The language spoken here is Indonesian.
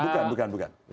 bukan bukan bukan